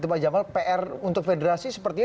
pak jamal pr untuk federasi sepertinya